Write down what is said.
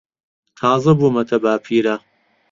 تازە بوومەتە باپیرە.